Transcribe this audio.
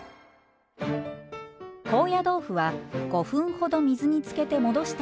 高野豆腐は５分ほど水につけて戻した